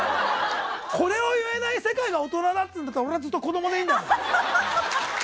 これを言えない世界が大人だっつうんだったら俺はずっと子供でいいよ！